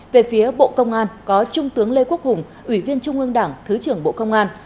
về phía bộ công an có trung tướng lê quốc hùng ủy viên trung ương đảng thứ trưởng bộ công an